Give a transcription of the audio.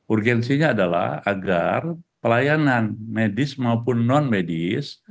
urgensinya adalah agar pelayanan medis maupun non medis